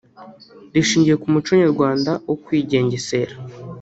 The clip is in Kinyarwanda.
rishingiye ku muco nyarwanda wo kwigengesera